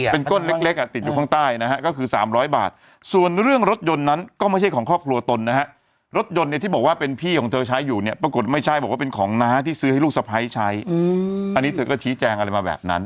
เป็นก้นเล็กอ่ะติดอยู่ข้างใต้นะฮะก็คือ๓๐๐บาทส่วนเรื่องรถยนต์นั้นก็ไม่ใช่ของครอบครัวตนนะฮะรถยนต์เนี่ยที่บอกว่าเป็นพี่ของเธอใช้อยู่เนี่ยปรากฏไม่ใช่บอกว่าเป็นของน้าที่ซื้อให้ลูกสะพ้ายใช้อันนี้เธอก็ชี้แจงอะไรมาแบบนั้น